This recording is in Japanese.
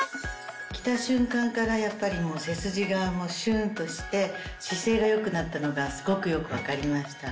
着た瞬間から背筋がシュっとして姿勢が良くなったのがすごくよく分かりました。